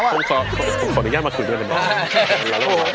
ผมขออนุญาตมาคุยด้วยหรอ